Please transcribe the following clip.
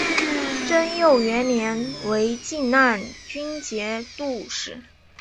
贞佑元年为静难军节度使。